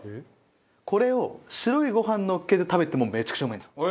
これを白いご飯にのっけて食べてもめちゃくちゃうまいんですよ。